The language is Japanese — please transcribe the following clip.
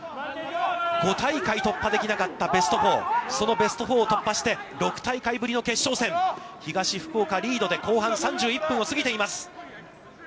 ５大会を突破できなかったベスト４、そのベスト４を突破して、６大会ぶりの決勝戦、東福岡リードで後半３１分を過ぎています。